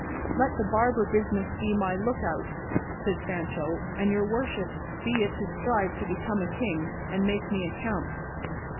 "Let the barber business be my look out," said Sancho; "and your worship's be it to strive to become a king, and make me a count."